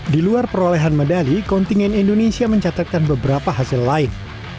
di luar perolehan medali kontingen indonesia mencatatkan beberapa hasil lain